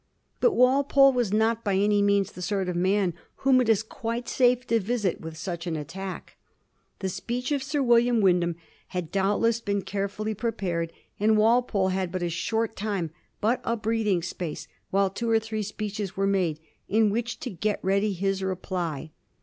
But Walpole was not by any means the sort of man whom it is quite safe to visit with such an attack. The speech of Sir Will iam Wyudbam had doubtless been carefully prepared, and Walpole had but a short time, but a breathing space, while two or three speeches were made, in which to get ready his reply.